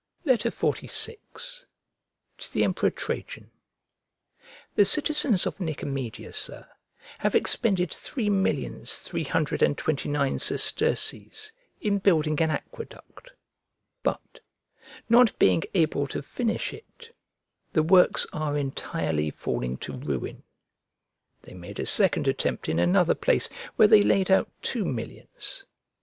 XLVI To THE EMPEROR TRAJAN THE citizens of Nicomedia, Sir, have expended three millions three hundred and twenty nine sesterces in building an aqueduct; but, not being able to finish it, the works are entirely falling to ruin. They made a second attempt in another place, where they laid out two millions.